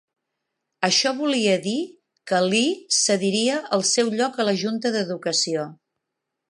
Això volia dir que Lee cediria el seu lloc a la junta d'educació.